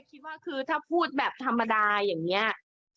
คิดว่าคือถ้าพูดแบบธรรมดาอย่างนี้